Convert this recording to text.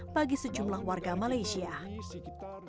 bagi sejumlah warga malaysia